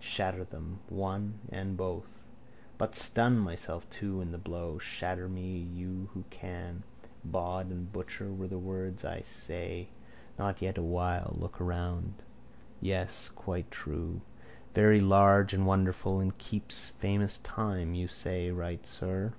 Shatter them, one and both. But stun myself too in the blow. Shatter me you who can. Bawd and butcher were the words. I say! Not yet awhile. A look around. Yes, quite true. Very large and wonderful and keeps famous time. You say right, sir.